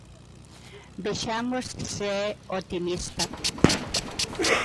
Vexamos se é optimista.